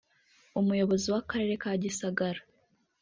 umuyobozi w’Akarere ka Gisagara